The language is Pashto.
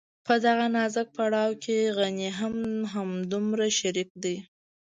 په دغه نازک پړاو کې غني هم همدومره شريک دی.